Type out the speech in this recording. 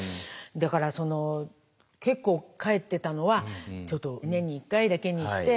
だからその結構帰ってたのはちょっと年に１回だけにして。